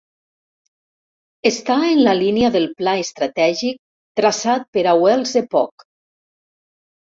Està en la línia del pla estratègic traçat per a Wells Epoch.